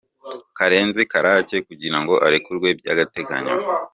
Karenzi Karake kugira ngo arekurwe by’agateganyo.